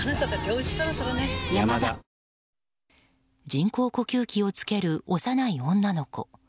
人工呼吸器を着ける幼い女の子。